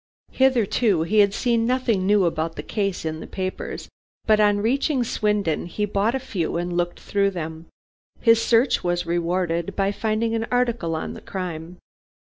Hitherto he had seen nothing new about the case in the papers, but on reaching Swindon he bought a few and looked through them. His search was rewarded by finding an article on the crime.